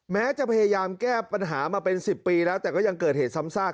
แม้จะพยายามแก้ปัญหามาเป็น๑๐ปีแล้วแต่ก็ยังเกิดเหตุซ้ำซาก